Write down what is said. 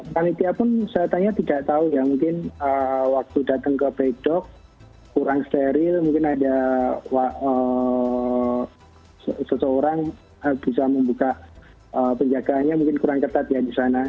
panitia pun saya tanya tidak tahu ya mungkin waktu datang ke blay dock kurang steril mungkin ada seseorang bisa membuka penjagaannya mungkin kurang ketat ya di sana